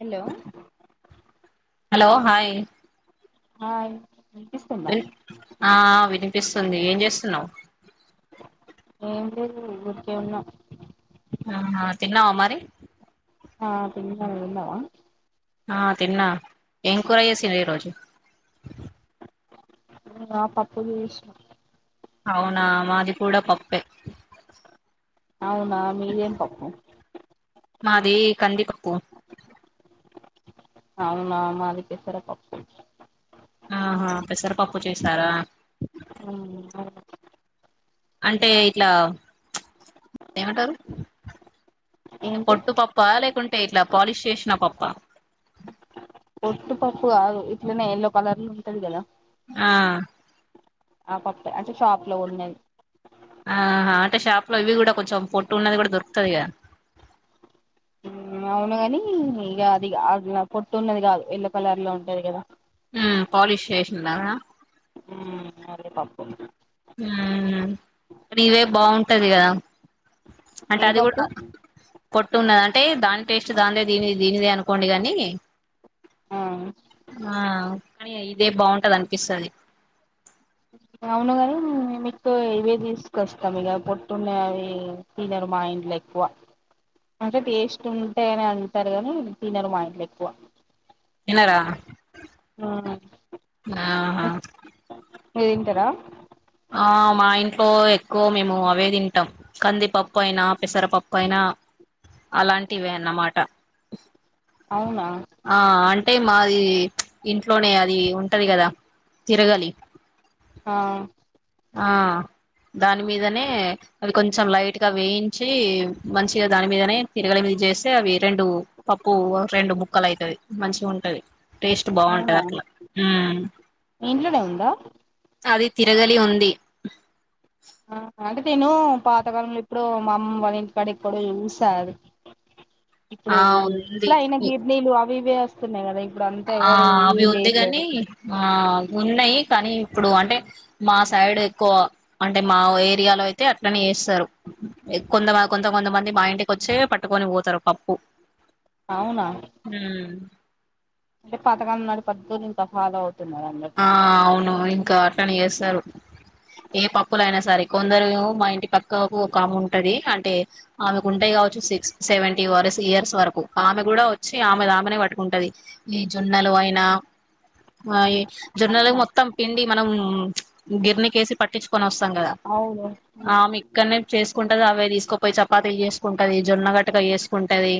Hello hello hi hi ఆ ఆ వినిపిస్తుంది ఏం చేస్తున్నావు ఏం లేదు ఊరికే ఉన్న ఆ తిన్నావా మరి ఆ తిన్న నువ్వు తిన్నావా ఆ తిన్నా ఏం కూర చేసిర్రు ఈ రోజు నినా పప్పు చేసిన అవునా మాది కూడా పప్పే అవునా మీదేం పప్పు మాది కందిపప్పు అవునా మాది పెసరపప్పు ఆహ పెసరపప్పు చేశారా అ అ అంటే ఇట్లా ఏమంటారు ఇట్ల ఏంటి పొట్టు పప్ప లేకుంటే ఇట్లా పాలిష్ చేసిన పప్ప పొట్టు పప్పు కాదు ఇట్లనే ఎల్లో కలర్లో ఉంటది కదా ఆ ఆ పప్పే అంటే షాప్ లో కోన్నాది ఆహా అంటే షాప్ లో ఇవి కూడా కొంచెం పొట్టు ఉన్నది కూడా దొరుకుతాది గా అ అవును గాని ఇగ అది అ పొట్టు ఉన్నది కాదు ఎల్లో కలర్లో ఉంటది కదా మ్ ప్పాలిష్ చేసిన్నదా కందిపప్పు మ్ మరి ఇవే బాగుంటది కదా అంటే ఏ అది కూడా పప్పు పోట్టు ఉన్నది అంటే దాని టేస్ట్ దానిదే దీని దీనిదే అనుకోండి గాని ఆ ఆ కానీ ఇదే బాగుంటది అనిపిస్తది అవునుగానీ మీకు ఇవే తీసుకొస్తాం ఇగ పొట్టున్నవి తినరు మా ఇంట్ల ఎక్కువ అంటే టేస్ట్ ఉంటయనే అంటారు కానీ తినరు మా ఇంట్ల ఎక్కువ తినర ఆ ఆహా మీరు తింటారా ఆ మా ఇంట్లో ఎక్కువ మేము అవే తింటాం కందిపప్పు అయినా పెసరపప్పు అయినా అలాంటివే అన్నమాట అవునా ఆ అంటే మాది ఇంట్లోనే అది ఉంటది కదా తిరగాలి ఆ ఆ దాని మీదనే అది కొంచం లైట్ గా వేయించి మంచిగా దాని మీదనే తిరగల మీ చేస్తే అవి రెండు పప్పు రెండు ము ముక్కలైతది మంచిగా ఉంటది టేస్ట్ బాగుంటది అవునా అట్లా మ్ మీ ఇంట్లనే ఉందా అది తిరగలి ఉంది ఆ అంటే నేను పాతకాలంలో ఇప్పుడు మా అమ్మ వాళ్ళ ఇంటికాడ ఎక్కడో చూసా అది ఇప్పుడు ఆ ఉంది ఇప్పుడు అయినా గిర్నీలు అవి ఇవి వస్తున్నాయి కదా ఇప్పుడు అంతా ఆ ఎవరు అవి యూజ్ ఉంది గాని చేయట్లేదు ఆ ఉన్నాయి కానీ ఇప్పుడు అంటే మా సైడ్ ఎక్కువ అంటే మా ఏరియాలో అయితే అట్లనే చేస్తారు కొంత కొంత కొంతమంది మా ఇంటికి వచ్చే పట్టుకొని పోతారు పప్పు అవునా మ్ అంటే పతకలం నాటి పద్దతులు ఇంకా ఫలో అవ్ ఆ అవును ఇంకా అట్లాని చేస్తారు ఏ పప్పులయినా సరే కొందరు మా ఇంటి పక్కకు ఒక ఆమె ఉంటది అంటే ఆమెకు ఉంటాయి కా సిక్స్ సెవెంటీ వార్ ఇయర్స్ వరకు ఆమె కూడా వచ్చి ఆమె ఆమె పట్టుకుంటది ఈ జోన్న లు అయిన మా జొన్నలు అవునా మొత్తం పిండి మనం గిరనిక వేసి పట్టించుకొని వస్తాం కదా అవును ఇక్కనే చేసుకుంటది అవే తీసుకోపోయి చపాతీలు చేసుకుంటది జొన్న గట్టగా వేసుకుంటది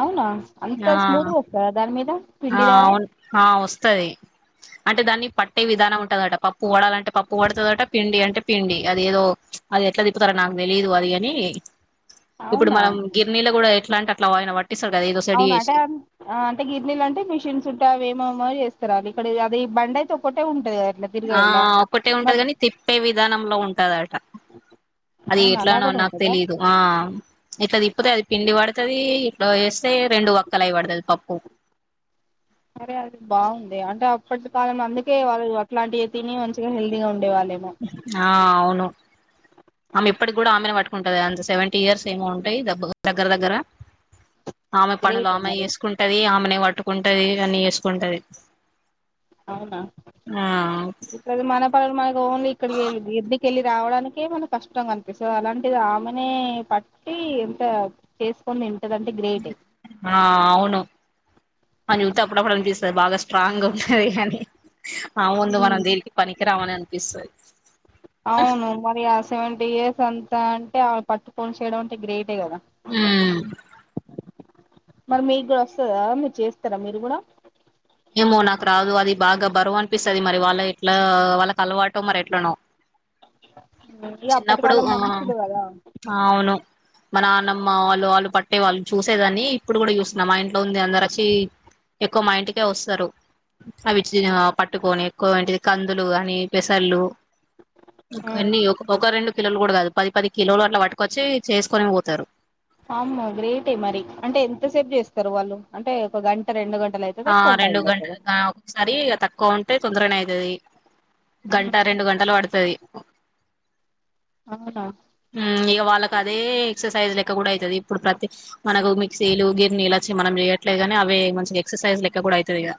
అవునా అంత ఆ స్మూత్గా వస్తదా దాని మీద పిండిలాగా ఆవు ఆ వస్తది అంటే దాన్ని పట్టే విధానం ఉంటందట పప్పు డాలంటే పప్పు పడుతుందట పిండి అంటే పిండి అది ఏదో అది ఎట్లా తిప్పుతార నాకు తెలీదు అది అని ఇప్పుడు అవునా మనం గిర్నీలు కూడా ఎట్లాంటి అలా వాయిన వాట్టి అవునా అంటే అంటే గిరినీలు అంటే మిషిన్స్ ఉంటావి ఏమమో చేస్తా ఇస్త అ ఇక్కడ అది బండాయి త ఒకటే ఉంటది అట్లా ఆ తిరగలా ఒకటే ఉంటది మరి కాని తిప్పే విధానంలో ఉంటదట అది అవునా అలా ఎట్లాన కూడా నాకు ఉంటదా తెలీదు ఆ ఇట్లాది అది పిండి పడుతది ఇట్లా వేస్తే రెండు ఒక్కల అయి పడుతది పప్పు అరే అది బాగుంది అంటే అప్పటి కాలంలో అందుకే వాళ్ళు అట్లాంటివి తిని మంచిగా హెల్దీగా ఉండేవాళ్ళు ఆ అవును ఆమె ఇప్పటికి కూడా ఆమెను పట్టుకుంటది అంత సెవెంటీ ఇయర్స్ ఏమో ఉంటాయి ద దగ్గర దగ్గర ఆమె పనులు గ్రేటే ఆమె మరి చేసుకుంటది ఆమెనే పట్టుకుంటది అని చేసుకుంటది అవునా ఆ ఇప్పుది మనపానులు మా ఓన్లీ ఇక్కడికి వెళ్ళ ఎందుకెళ్ళలి రావడాకే మన కష్టం కనిపిస్తుంది అలాంటిది ఆమెనే పట్టి ఎంత చేసుకొని ఎ ఆ అవును అని త అప్పుడపడనిపిస్త బాగా స్ట్రాంగ్ గా ఉంటుది అని ఆ ముందు మనం ఉమ్, దేరినికి పనికిరామని అనిపిస్తది అవును మరి ఆ సెవెంటీ ఇయర్స్ అంతా అంటే పట్టుకోని చేయడం అంటే గ్రేటే కదా అ మరి మీకు కూడా వస్తందా మీరు చేస్తారా మీరు కూడా ఏమో నాకు రాదు అది బాగా బరువు అనిపిస్తుది మరి వాళ్ళ ఎట్లా వాళ్ళకి అలవాటుో మరి ఎట్లనో ఇగ చిన్నప్పుడు అప్పటికాలం ఆ మనుషులు కదా అవును మన నానమ్మ వాళ్లులు పట్టే వాళ్ళు చూసేదాన్ని ఇప్పుడు కూడా చూస్తున్నా మా ఇంట్లో ఉంది అందరు వచ్చి ఎక్కువ మా ఇంట్కి వస్తారు అవి పట్టుకొని ఎక్కువ ఏంటిది కందులు అని పెసర్లు ఒకన్ని ఒక ఒక రెండు కిలోలు కూడా కాదు పది పది కిలోలు అట్లా పటుకొచ్చి చేసుకొని వోతారు అమ గ్రేటే మరి అంటే ఎంత సేపు చేస్తారు వాళ్ళు అంటే ఒక గంట రెండు గంట ఆ రెండు గంట ఒకసారి తక్కువ ఉంటే తొందరనే అయితది గంట రెండు గంటలు పడుతది అవునా ఇక వాళ్ళకి అదే ఎక్సర్సైజ్ లెక్క కూడా అయితది ఇప్పుడు ప్రతి మనకు మిక్సీలు గిర్నీల వచి మనం చేయట్లేగానీ అవి మంచి ఎక్సర్సైజ్ లెక్క కూడా అయితది ఇక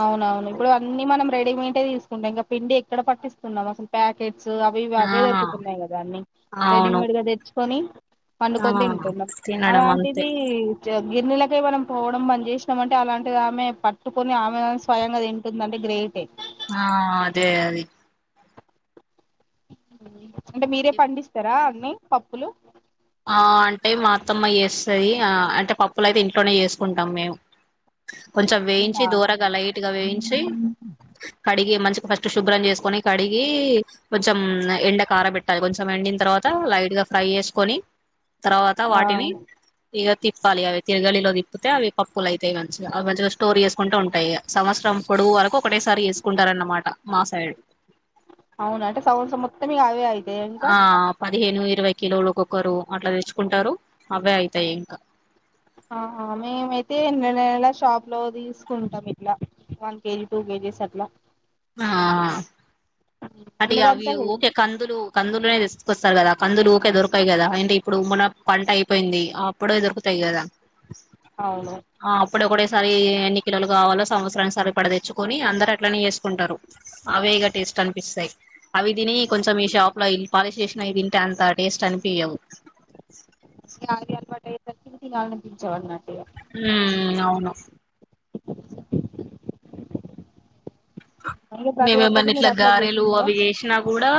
అవునవును ఇప్పుడు అన్నీ మనం రెడీమేట్ తీసుకుంటాం ఇంకా పిండి ఎక్కడ పట్టిస్తున్నాం అసలు ప్యాకెట్ స్ అవి ఇవి ఆ అవే దొరుకుతున్నాయి కదా అన్నీ అవును రెడీమేడ్ గా తెచ్చుకొని ఆ పండుకొని తింటున్నాం తినడం అంతే అలాంటిది గిన్నెల ఇంకె మనం పోవడం బంద్ చేసినాం అంటే అలాంటిది ఆమె పట్టుకుని ఆమె స్వయంగా తింటుందంటే అంటే గ్రేటే ఆ అదే అది అంటే మీరే పండిస్తారా అన్ని పప్పులు ఆ అంటే మా అత్తమ్మ చేస్తుంది ఆ అంటే పప్పులయితే ఇంట్లోనే చేసుకుంటాం మేము కొంచం వేయించి అవునా దొరగా లైట్ గా వేయించి కడిగి మంచి ఫస్ట్ శుభ్రం చేసుకొని కడిగి కొంచెం ఎండ కార పెట్టాలి కొంచెం ఎండిన తర్వాత లైట్ గా ఫ్రై చేసుకొని తర్వాత ఆ వాటిని ఇగ తిప్పాలి అవి తిరగలిలో తిప్ కాకపోతే అవి పప్పులు అయితాయి మంచిగా అవి మంచిగా స్టోర్ చేసుకుంటే ఉంటాయి సంవత్సరం పొడుగు వరకు ఒకేసారి చేసుకుంటారు అన్నమాట మా సైడ్ అవునా అంటే సంవత్సరం మొత్తం ఇగ అవే అయితయా ఇంక ఆ పదిహేను ఇరవై కిలోలు ఒకొక్కరు అట్లా తెచ్చుకుంటారు అవే అయితాయి ఇంకా ఆ మేమైతే నెల నెల షాప్ లో తీసుకుంటాం ఇట్లా వన్ కేజీ టూ కేజీస్ అట్లా ఆ అటు అవి అందుకంతా ఓకే కందులు కందులునే తెస్త కొస్తారు కదా కందులు ఊకే దొరకాయి కదా అంటే ఇప్పుడు ఉమ్మన పంట అయిపోయింది అప్పుడే దొరుకుతాయి కదా అవును ఆ అప్పుడు ఒకడేసారి ఎన్ని కిలోలు కావలో సంవత్సరాన్ని సరిపడ తెచ్చుకొని అందరు అట్లనే చేసుకుంటారు అవేగా టేస్ట్ అన్ నిస్తాయి అవి తిని కొంచెం ఈ షాప్ లో ఇవి పాలిష్ చేసినవి తింటే అంత టేస్ట్ అనిపియవు ఇగ అవి అలవాటు అయిందానుకో ఇవి తినాలనిపించదు ఉ అవును అ మేమేమన్న ఇట్లా గారెలు అవి చేసినా కూడా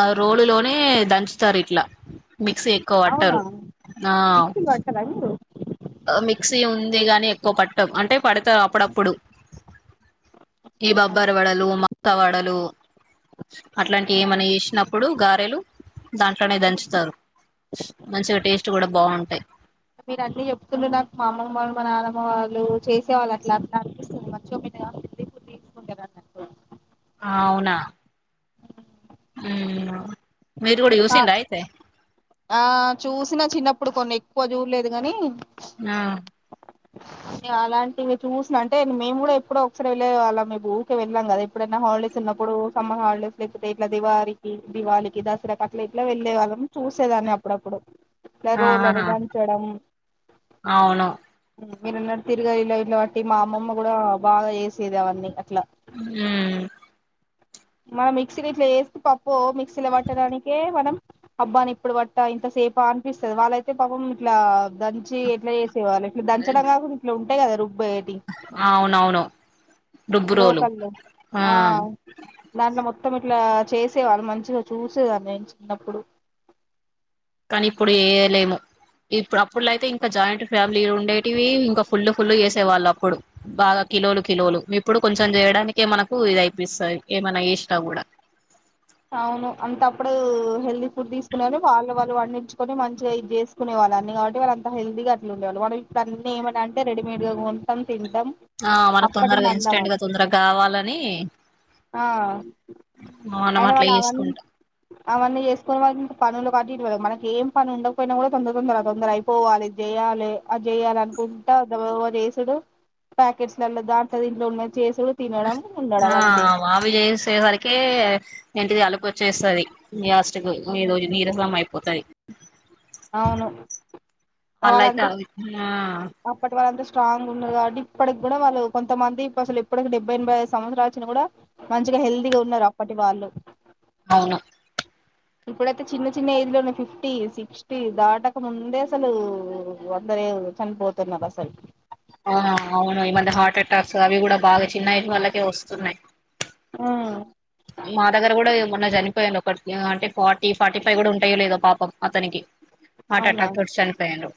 ఆ రోలులోనే దన్ స్తరు ఇట్లా మిక్సీ ఎక్కువ అవునా పట్టారు ఆ మిక్సీ పట్టరా మీరు మిక్సీ ఉంది గాని ఎక్కువ పట్టాం అంటే పడతాం అప్పుడప్పుడు ఈ బబ్బర్ వడలు మాత వడలు అట్లాంటివి ఆ, ఏమన చేసినప్పుడు గారెలు దాంట్లోనే దంచుతారు మంచిగా టేస్ట్ కూడా బాగుంటాయ్ మీరు అన్నీ చెప్తుంటె నాకు మా అమ్మమ్మ వాళ్ళు మా నానమ్మ వాళ్ళు చేసే వాళ్ళు అట్లా అట్లా అనిపిస్తుంది మంచిగా మీ వ న ఆవ్నా ఊ న ఆ ఆ చూసినా చిన్నప్పుడు కొన్ని ఎక్కువ చూడలేదు గాని ఆ అలాంటివి చూసిన అంటే మేము కూడా ఎప్పుడో ఒకసారి వెళ్లే వాళ్ళం ఊకె వెళ్లం కదా ఎప్పుడైనా హాలిడేస్ చిన్నప్పుడు సమ్మర్ హాలిడేస్ లేకపోతే ఇట్లా దివారికి దివాళికి దసరాకి అట్ల ఇట్లా వెళ్లేే వాళ్ళం చూసేదాన్ అప్పుప్పుడు రోలరి ఆహా దంచడం అవును మీరున్న తిరగ ఇలా ఇలా బట్టి మా అమ్మమ్మ కూడా బాగా చేసేది అవన్నీ అట్లా ఊ మనం మిక్సీని ఇట్లా చేస్తే పప్పు మిక్సీలో పట్టడానికే మనం అబ్బా ని ఇప్పుడు పట్ట ఇంత సేప అనిపిస్తది వాళ్ళయితే పాపం ఇట్లా దంచి ఎట్లా చేసేవాళ్ళు ఇట్లా దంచడం గా ఇట్లా ఉంటేయ్ కదా రుబ్ అవునవును డుబ్బు రోలు రోకల్లో ఆ దాంట్లో మొత్ మొత్తం ఇట్లా చేసేవాళ్ళు మంచిగా చూసేదాన్ని నేను చిన్నప్పుడు కానీ ఇప్పుడు ఏయలేము ఇప్పుడు అప్పుట్లోయితే ఇంకా జాయింట్ ఫ్యామిలీ ఉండేటివి ఇంకా ఫుల్ ఫుల్ చేసే వాళ్ళు అప్పుడు బాగా కిలోలు కిలోలు ఇప్పుడు కొంచెం చేయడానికే మనకు ఇది అయిపిస్తయి ఏమనా ఇష్ట కూడా అవును అంతప్పుడు హెల్తీ ఫుడ్ తీసుకునేను వాళ్ళు వాళ్ళు వడినించుకొని మంచిగా ఇది చేసుకునేవాళ్ళు వాళ్ అన్న కాట్టి వాళ్ళ అంత హెల్తిగా అట్లా ఉండ వాళ్ళ మన ఇప్పు అన్న ఏమై అంటే రెడిమేడ్ గా కొంటం ఆ మనకు తొందరగా ఇన్స్టెంట్గా తొందరగా కావాలని ఆ మనం అయిన అట్లా వాళ్ళు అవన్నీ చేసుకుంటాం అవన్నీ చేసుకుని వాళ్ళ పనులు అటుళ మనకి ఏం పని ఉండకపోయినా కూడా తొందర తొందర ఆ తొందర అయిపోవాలి చేయాలి అది చేయాలనుకుంట ఉంటా దబ దబ చేసడు ప్యాకెట్స్ల దాంట్లో దంట్లో ఉన్న ఆ వావి చేసేవరికె ఇంటిది అలుపు వచ్చేస్తది లాస్ట్ కి ఈ రోజు నీరసం అయిపోతది. అవును వాళ్ళయితే వాళ్ళంతా అవి ఆ అప్పటి వాళ్ళంతా స్ట్రాంగ్ ఉండదు కాబట్టి ఇప్పటికి కూడా వాళ్ళు కొంత మంది అసలు ఇప్పడికి డెబ్బై ఎనభై ఐదు సంవత్సరాలు విన కూడా మంచి ఇగ హెల్దీగా ఉన్నారు అప్పటి వాళ్ళు అవును ఇప్పుడైతే చిన్న చిన్న ఏజ్ లలో ఫిఫ్టీ, సిక్స్టీ దాటక ముందే అసలు వద్ద దేవ్ చనిపోతున్నారు అసలు ఆ అవును ఈమద్య హార్ట్ అటాక్స్ అవి కూడా బాగా చిన్నఏజ్ వాళ్లకే వస్తున్నాయి. ఆ మా దగ్గర కూడా మొన్న చనిపోయాను ఒకటి అంటే ఫార్టీ, ఫార్టీ ఫైవ్ కూడా ఉంటాయో లేదో పాపం అతనికి హార్టటెక్ తోటి చనిపోయాను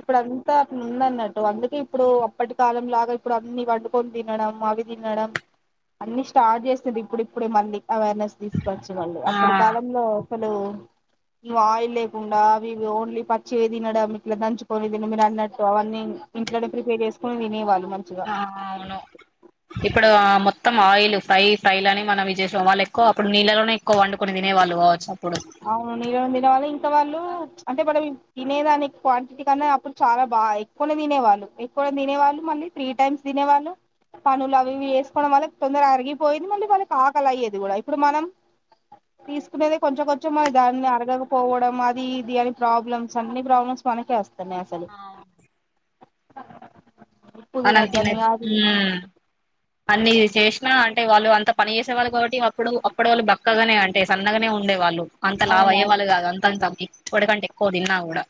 ఇప్పుడుంతా అ ఉంద అన్నట్టు అందుకే ఇప్పుడు అప్పటి కాలంలాగా ఇప్పుడు అన్ని వండుకొని తినడం. అవి తినడం అన్ని స్టార్ట్ చేసది ఇప్పుడిప్పుడు మళ్ళీ అవేర్నెస్ తీసుకొచ్చిమండి ఆ అప్పటి కాలంలో అసలు నువ్ ఆయిల్ లేకుండా అవివి ఓన్లీ పచ్చియె తినడం ఇట్లా దంచుకొని తను మీరు అన్నట్టు అవన్న ఇట్నే ప్రిపేర్ చేసుకుని తినేవాళ్ళు. మంచిగా ఆ అవును ఇప్పుడు ఆ మొ మొత్తం ఆయిల్ ఫై ఫై అని మనం ఇ చేసేంళ్ళ ఎక్కువ అప్పుడు నీళ్ళలోనే ఎక్కవ వండుకుని తినే వాళ్ళువచ్చు. అవునిర వండినవాళ్ళు ఇంకా వాళ్ళు అంటే మనవి తినేదానికి క్వాంటిటీ కన్నా అప్పుడు చాలా బాగా ఎక్కువనే తినేవాళ్ళు ఎక్కువ తినేవాళ్ళు. మళ్ళీ త్రీ టైమ్స్ తినే వాళ్ళు తను లవ్వి చేసుకోవడం వల్ల తొందర అరిగిపోయింది మళ్ళీ వాళ్ళుకి ఆకలాయెది. ఇది కూడా ఇప్పుడు మనం తీసుకునేది కొంచెం కొం చ్చమ దాన్ని అరగకపోవడం అది ఇది అని ప్రాబ్లమ్స్ అన్ని ప్రాబ్లమ్స్ మనకే వస్తాయి. ఆవును ఉప్పు మనం తిన్నయి తినొద్దని అది ఇది మ్ అన్ని చేసినా అంటే వాళ్ళు అంత పని చేసేవాళ్ళు కాబట్టి అప్పుడు అప్పుడ వాళ్ళు బక్కగానే అంటే సన్నగానే ఉండే వాళ్ళు. అంత లావ్ అయ్యే అవునవును వాళ్ళు కాదు అంతంత ఇప్పటికంటే ఎక్కువ తిన్నా కూడా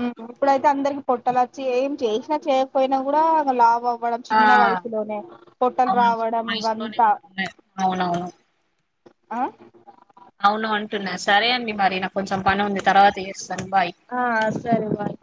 ఉహు ఇప్పుడైతే అందరికి పొట్టలు వచ్చి ఏం చేసినా, చేయకపోయినా కూడా లాభం అవడం ఆ చిన్న వయసులోనే పొట్టలు అవును చిన్న రావడం వయసులోనే ఇవంతా ఉంటున్నాయి అవునవును ఆ అవును అంటున్నా సరే అండి మరి నా కొంచెం పని ఉంది తర్వాత చేస్తాను బాయ్ ఆ సరే బాయ్